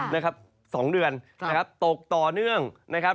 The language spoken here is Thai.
นะครับ๒เดือนนะครับตกต่อเนื่องนะครับ